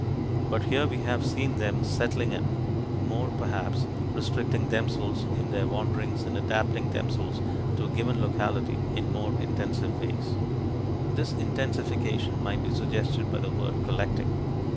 But here we have seen them "settling in" more, perhaps restricting themselves in their wanderings and adapting themselves to a given locality in more intensive ways. This intensification might be suggested by the word "collecting."